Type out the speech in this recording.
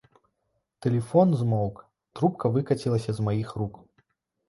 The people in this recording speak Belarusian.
Тэлефон змоўк, трубка выкацілася з маіх рук.